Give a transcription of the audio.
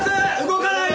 動かない。